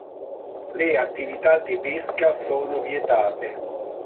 Le attività di pesca sono vietate.